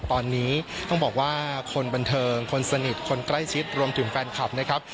ตอนนี้ต้องบอกว่าคนบันเทิงคนสนิทคนใกล้ชิดรวมถึงแฟนคลับนะครับ